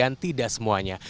dan tidak semuanya